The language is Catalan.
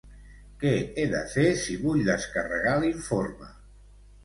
Què he de fer si vull descarregar l'informe?